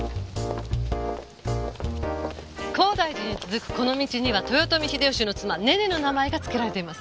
高台寺に続くこの道には豊臣秀吉の妻ねねの名前がつけられています。